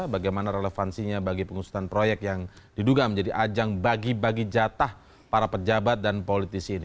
bagaimana relevansinya bagi pengusutan proyek yang diduga menjadi ajang bagi bagi jatah para pejabat dan politisi ini